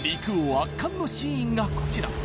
圧巻のシーンがこちら